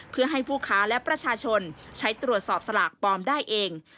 เพื่อให้ผู้ค้าและประชาชนใช้ตรวจสอบสลากปลอมได้เอง